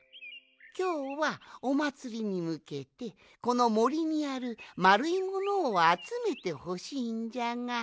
きょうはおまつりにむけてこのもりにあるまるいものをあつめてほしいんじゃがどうかの？